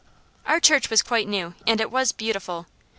Our church was quite new and it was beautiful.